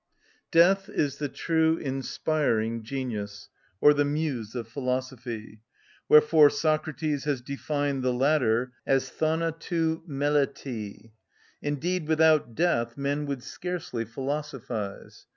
Death is the true inspiring genius, or the muse of philosophy, wherefore Socrates has defined the latter as θανατου μελετη. Indeed without death men would scarcely philosophise.